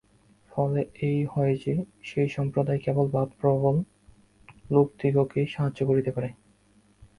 ফলে এই হয় যে, সেই সম্প্রদায় কেবল ভাবপ্রবণ লোকদিগকেই সাহায্য করিতে পারে।